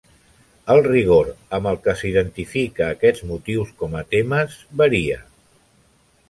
El rigor amb el que s'identifica aquests motius com a temes varia.